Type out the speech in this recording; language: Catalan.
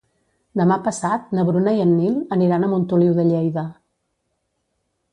Demà passat na Bruna i en Nil aniran a Montoliu de Lleida.